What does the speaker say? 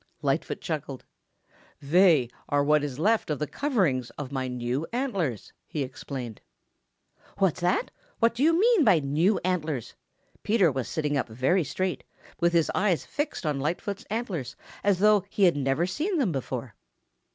Lightfoot chuckled. "They are what is left of the coverings of my new antlers," he explained. "What's that? What do you mean by new antlers?" Peter was sitting up very straight, with his eyes fixed on Lightfoot's antlers as though he never had seen them before.